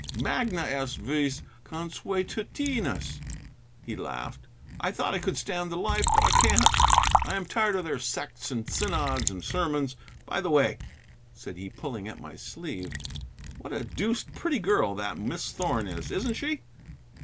"Magna est vis consuetudinis," he laughed; "I thought I could stand the life, but I can't. I am tired of their sects and synods and sermons. By the way," said he pulling at my sleeve, "what a deuced pretty girl that Miss Thorn is! Isn't she?